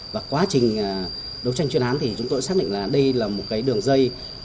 và quá trình đấu tranh chuyên án thì chúng tôi xác định là đây là một cái đường dây